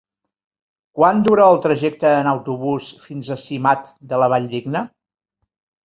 Quant dura el trajecte en autobús fins a Simat de la Valldigna?